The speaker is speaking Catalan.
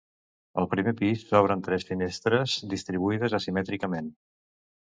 Al primer pis s'obren tres finestres distribuïdes asimètricament.